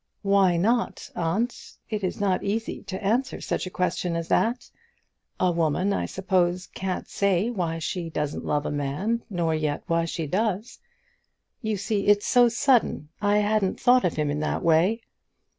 "Why not, aunt? It is not easy to answer such a question as that. A woman, I suppose, can't say why she doesn't love a man, nor yet why she does. You see, it's so sudden. I hadn't thought of him in that way."